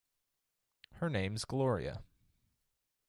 Her name's Gloria.